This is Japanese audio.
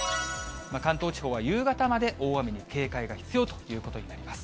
関東地方は夕方まで大雨に警戒が必要ということになります。